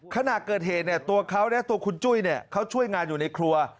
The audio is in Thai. ขณะเกิดเหตุเนี่ยตัวเขาเนี่ยตัวคุณจุ้ยเนี่ยเขาช่วยงานอยู่ในครัว